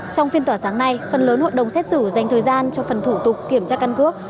trong phiên tòa sáng nay phần lớn hội đồng xét xử dành thời gian cho phần thủ tục kiểm tra căn cước